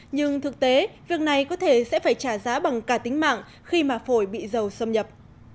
nhưng thực tế việc này có thể sẽ phải trả giá bằng cả tính mạng khi mà phổi bị dầu xâm nhập